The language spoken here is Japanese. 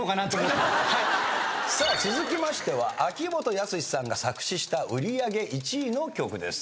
さあ続きましては秋元康さんが作詞した売り上げ１位の曲です。